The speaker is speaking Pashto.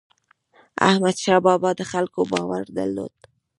احمدشاه بابا د خلکو باور درلود.